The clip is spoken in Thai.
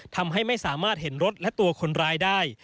ทำให้ไม่สามารถเห็นรถและตัวคนร้ายได้